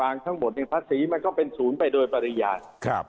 ทั้งความผลิตภัษีมันได้เป็นศูนย์ไปโดยปริญญาณ